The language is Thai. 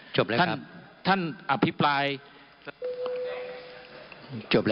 จบแล้วครับ